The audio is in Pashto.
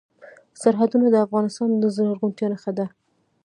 سرحدونه د افغانستان د زرغونتیا نښه ده.